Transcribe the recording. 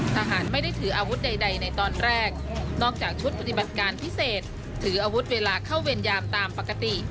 ทหารไม่ได้ถืออาวุธใดในตอนแรกนอกจากชุดปฏิบัติการพิเศษถืออาวุธเวลาเข้าเวรยามตามปกติ